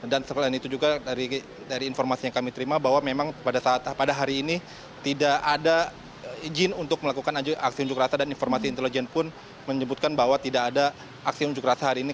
dan setelah itu juga dari informasi yang kami terima bahwa memang pada saat pada hari ini tidak ada izin untuk melakukan aksi unjuk rasa dan informasi intelijen pun menyebutkan bahwa tidak ada aksi unjuk rasa hari ini